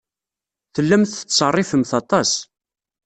Tellamt tettṣerrifemt aṭas.